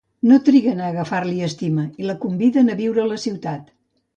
No triguen a agafar-li estima, i la conviden a viure a la ciutat.